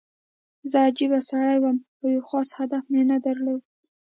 زه عجیبه سړی وم او یو خاص هدف مې نه درلود